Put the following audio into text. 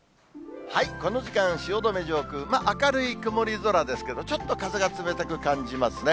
この時間、汐留上空、明るい曇り空ですけど、ちょっと風が冷たく感じますね。